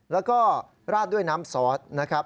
แล้วก็ราดด้วยน้ำซอสนะครับ